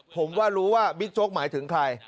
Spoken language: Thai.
ผมว่ารู้ว่าบิ๊กโจ๊กหมายถึงใคร